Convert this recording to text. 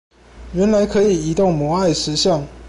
原來可以移動摩艾石像